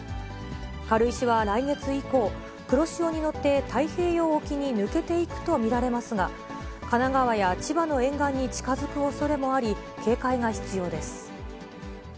軽石は来月以降、黒潮に乗って太平洋沖に抜けていくと見られますが、神奈川や千葉の沿岸に近づくおそれもあり、警戒が必要です。